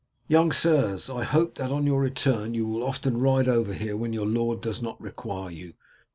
Young sirs, I hope that on your return you will often ride over here when your lord does not require you.